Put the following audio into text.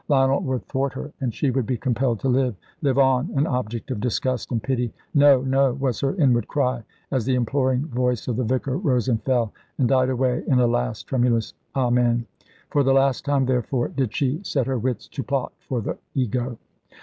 Lionel would thwart her, and she would be compelled to live live on, an object of disgust and pity. "No! no!" was her inward cry, as the imploring voice of the vicar rose and fell, and died away in a last tremulous Amen. For the last time, therefore, did she set her wits to plot for the ego.